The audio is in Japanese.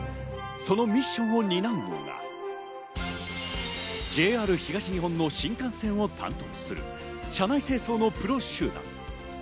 そのミッションを担うのが、ＪＲ東日本の新幹線を担当する車内清掃のプロ集団。